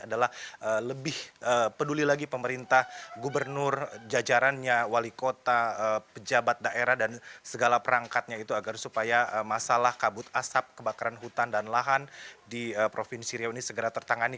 adalah lebih peduli lagi pemerintah gubernur jajarannya wali kota pejabat daerah dan segala perangkatnya itu agar supaya masalah kabut asap kebakaran hutan dan lahan di provinsi riau ini segera tertangani